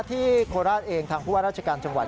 โคราชเองทางผู้ว่าราชการจังหวัด